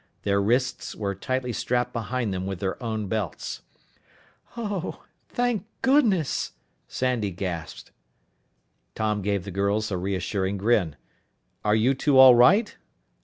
Their wrists were tightly strapped behind them with their own belts. "Oh ... thank goodness!" Sandy gasped. Tom gave the girls a reassuring grin. "Are you two all right?"